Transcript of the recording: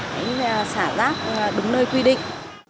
hãy xả rác đúng nơi quy định